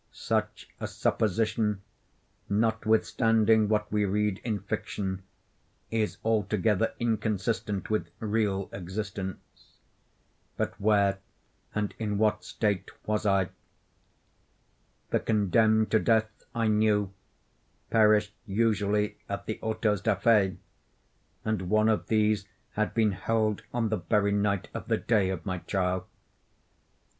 Such a supposition, notwithstanding what we read in fiction, is altogether inconsistent with real existence;—but where and in what state was I? The condemned to death, I knew, perished usually at the autos da fe, and one of these had been held on the very night of the day of my trial.